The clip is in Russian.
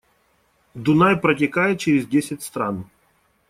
Дунай протекает через десять стран